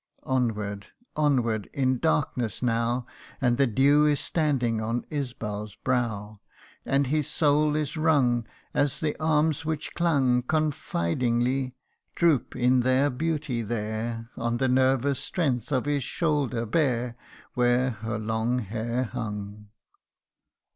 154 THE UNDYING ONE. Onward onward in darkness now, And the dew is standing on IsbaFs brow ; And his soul is wrung, As the arms which clung Confidingly, droop in their beauty there On the nervous strength of his shoulder bare, Where her long hair hung.